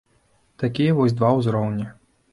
Такія вось два ўзроўні.